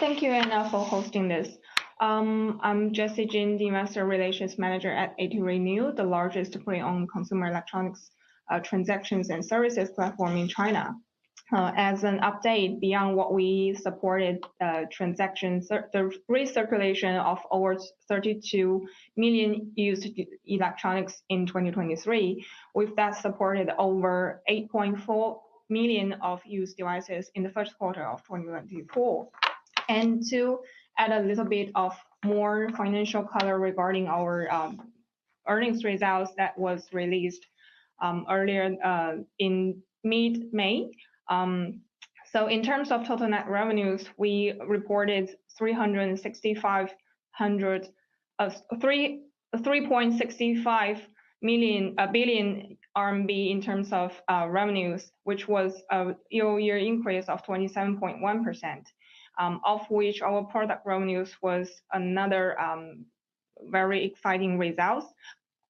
Thank you for hosting this. I'm Jessie Jin, the Investor Relations Director at ATRenew, the largest pre-owned consumer electronics transactions and services platform in China. As an update, beyond what we supported, the recirculation of over 32 million used electronics in 2023, with that supported over 8.4 million used devices in the first quarter of 2024. To add a little bit of more financial color regarding our earnings results that were released earlier in mid-May. So in terms of total net revenues, we reported 3.65 billion RMB in terms of revenues, which was a year-over-year increase of 27.1%, of which our product revenues were another very exciting result,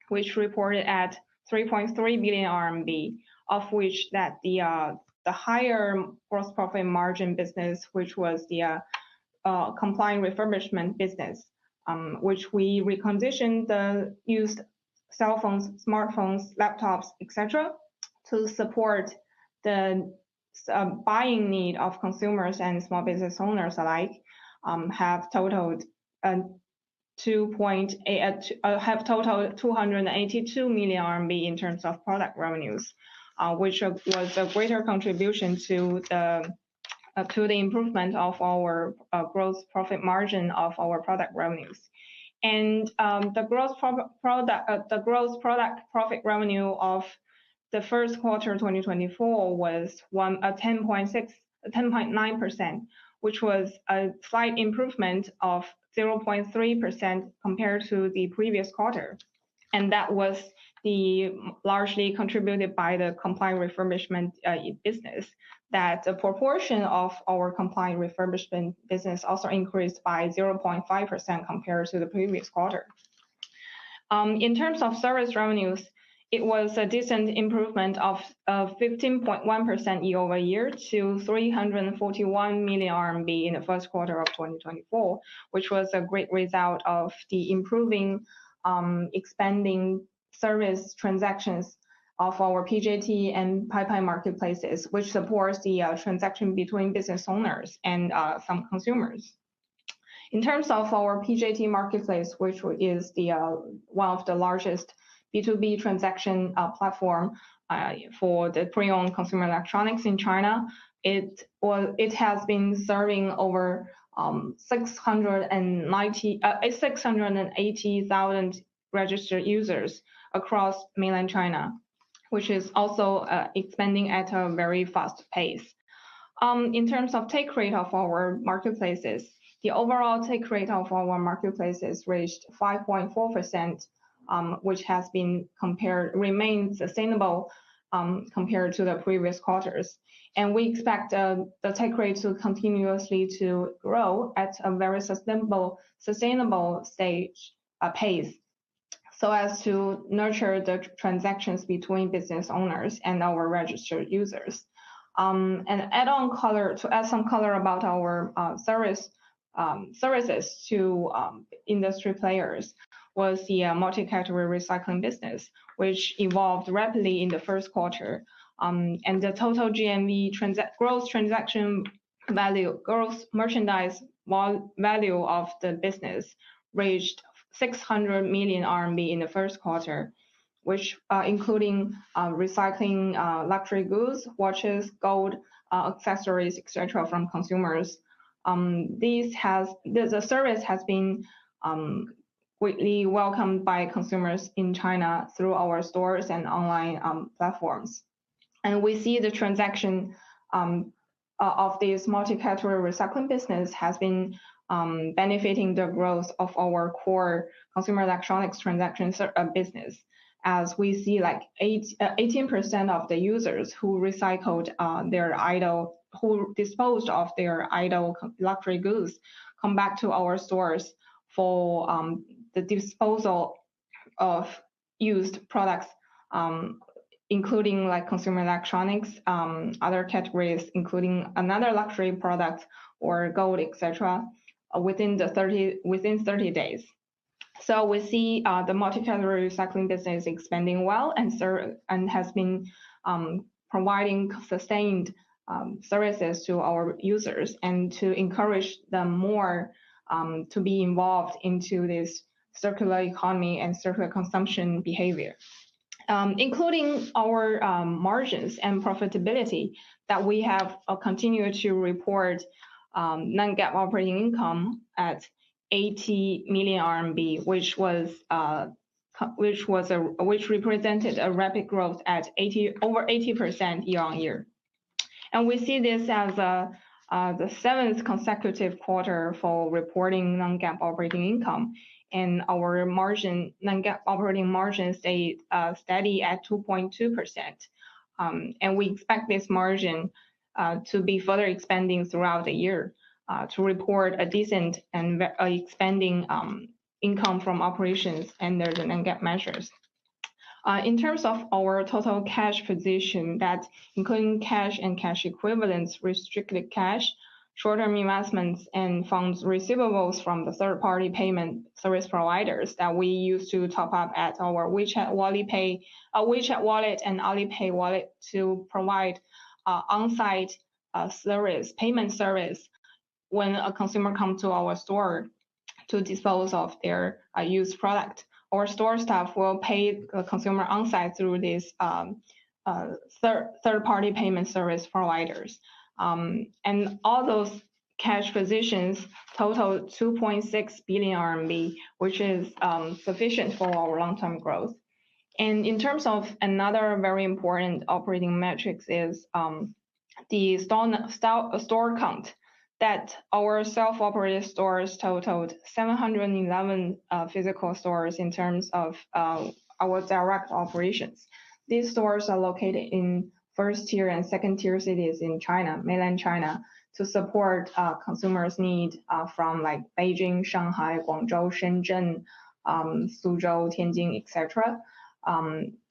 which reported at 3.3 billion RMB, of which the higher gross profit margin business, which was the compliant refurbishment business, which we reconditioned the used cell phones, smartphones, laptops, etc., to support the buying need of consumers and small business owners alike, have totaled 282 million RMB in terms of product revenues, which was a greater contribution to the improvement of our gross profit margin of our product revenues. And the gross product profit revenue of the first quarter of 2024 was 10.9%, which was a slight improvement of 0.3% compared to the previous quarter. That was largely contributed by the compliant refurbishment business, that the proportion of our compliant refurbishment business also increased by 0.5% compared to the previous quarter. In terms of service revenues, it was a decent improvement of 15.1% year-over-year to 341 million RMB in the first quarter of 2024, which was a great result of the improving, expanding service transactions of our PJT and Paipai marketplaces, which supports the transaction between business owners and some consumers. In terms of our PJT marketplace, which is one of the largest B2B transaction platforms for the pre-owned consumer electronics in China, it has been serving over 680,000 registered users across Mainland China, which is also expanding at a very fast pace. In terms of take rate of our marketplaces, the overall take rate of our marketplaces reached 5.4%, which has been compared, remained sustainable compared to the previous quarters. We expect the take rate to continuously grow at a very sustainable stage, a pace, so as to nurture the transactions between business owners and our registered users. To add some color about our services to industry players was the multi-category recycling business, which evolved rapidly in the first quarter. The total GMV gross transaction value, gross merchandise value of the business, reached 600 million RMB in the first quarter, which included recycling luxury goods, watches, gold accessories, etc., from consumers. The service has been greatly welcomed by consumers in China through our stores and online platforms. We see the transaction of this multi-category recycling business has been benefiting the growth of our core consumer electronics transaction business, as we see like 18% of the users who recycled their idle, who disposed of their idle luxury goods, come back to our stores for the disposal of used products, including consumer electronics, other categories, including another luxury product or gold, etc., within 30 days. So we see the multi-category recycling business expanding well and has been providing sustained services to our users and to encourage them more to be involved into this circular economy and circular consumption behavior, including our margins and profitability that we have continued to report non-GAAP operating income at 80 million RMB, which represented a rapid growth at over 80% year-on-year. We see this as the seventh consecutive quarter for reporting non-GAAP operating income, and our non-GAAP operating margin stayed steady at 2.2%. We expect this margin to be further expanding throughout the year to report a decent and expanding income from operations and the non-GAAP measures. In terms of our total cash position, that's including cash and cash equivalents, restricted cash, short-term investments, and funds receivables from the third-party payment service providers that we use to top up at our WeChat Wallet and Alipay Wallet to provide on-site payment service when a consumer comes to our store to dispose of their used product. Our store staff will pay the consumer on-site through these third-party payment service providers. All those cash positions total 2.6 billion RMB, which is sufficient for our long-term growth. In terms of another very important operating metric, the store count, our self-operated stores totaled 711 physical stores in terms of our direct operations. These stores are located in first-tier and second-tier cities in China, mainland China, to support consumers' needs from Beijing, Shanghai, Guangzhou, Shenzhen, Suzhou, Tianjin, etc.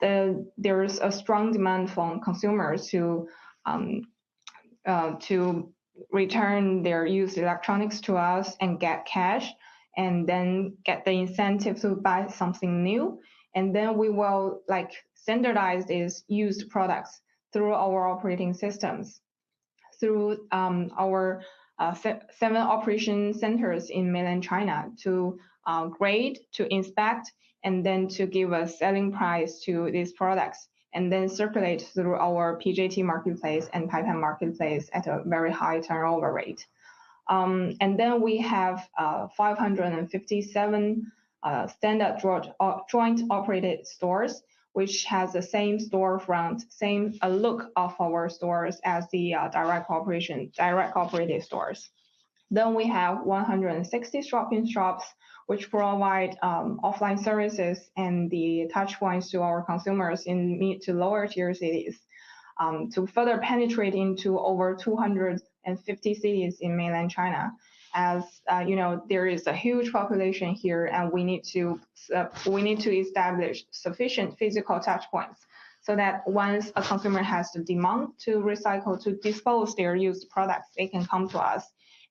There is a strong demand from consumers to return their used electronics to us and get cash, and then get the incentive to buy something new. And then we will standardize these used products through our operating systems, through our 7 operation centers in mainland China to grade, to inspect, and then to give a selling price to these products, and then circulate through our PJT Marketplace and Paipai Marketplace at a very high turnover rate. Then we have 557 standard joint-operated stores, which has the same storefront, same look of our stores as the direct operating stores. Then we have 160 shop-in-shops, which provide offline services and the touchpoints to our consumers in mid- to lower-tier cities to further penetrate into over 250 cities in Mainland China. As you know, there is a huge population here, and we need to establish sufficient physical touchpoints so that once a consumer has the demand to recycle, to dispose of their used products, they can come to us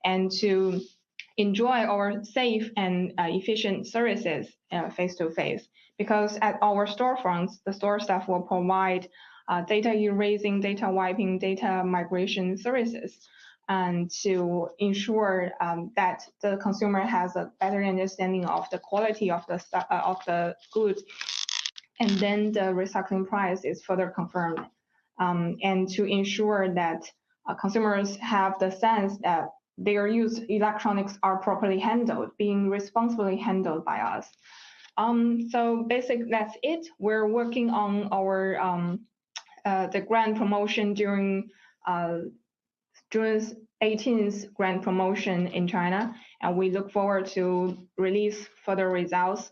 and enjoy our safe and efficient services face-to-face. Because at our storefronts, the store staff will provide data erasing, data wiping, data migration services to ensure that the consumer has a better understanding of the quality of the goods, and then the recycling price is further confirmed, and to ensure that consumers have the sense that their used electronics are properly handled, being responsibly handled by us. So that's it. We're working on the grand promotion during June 18th grand promotion in China, and we look forward to release further results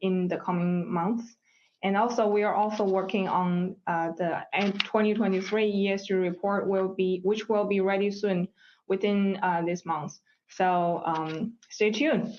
in the coming months. And also, we are also working on the 2023 ESG report, which will be ready soon within this month. So stay tuned.